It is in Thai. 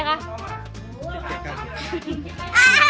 สิบสามค่ะ